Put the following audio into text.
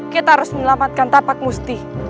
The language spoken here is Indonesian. kita harus menyelamatkan tapak musti